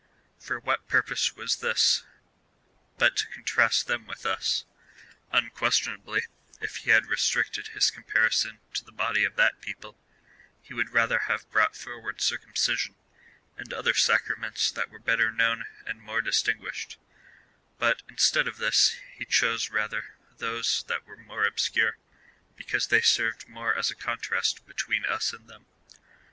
For what purpose was this, but to con trast them with us ? Unquestionably, if he had restricted his comparison to the body of that people, he would rather have brought forward circumcision, and other sacraments that were better known and more distinguished, but, instead of this, he chose rather those that were more obscure, be cause they served more as a contrast between us and them.